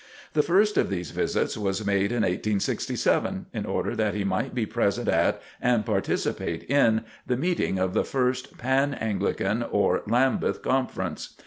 The first of these visits was made in 1867 in order that he might be present at, and participate in, the meeting of the first Pan Anglican or Lambeth Conference.